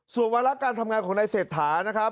ส่วนวาระการทำงานของนายเศรษฐานะครับ